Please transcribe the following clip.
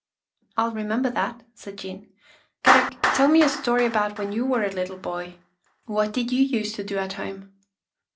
" I'll remember that," said Jean. " Kadok, tell me a story about when you were a little boy. What did you used to do at home?